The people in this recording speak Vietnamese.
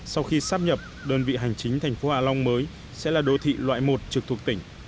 sau khi sắp nhập đơn vị hành chính thành phố hạ long mới sẽ là đô thị loại một trực thuộc tỉnh